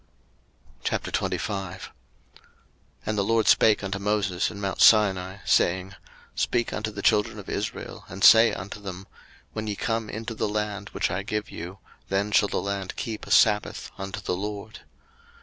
03:025:001 And the LORD spake unto Moses in mount Sinai, saying, 03:025:002 Speak unto the children of Israel, and say unto them, When ye come into the land which I give you, then shall the land keep a sabbath unto the LORD.